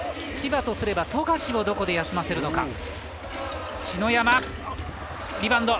千葉とすれば富樫をどこで休ませるのか。